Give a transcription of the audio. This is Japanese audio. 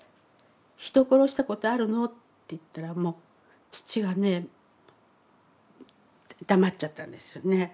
「人殺したことあるの？」って言ったらもう父がねって黙っちゃったんですよね。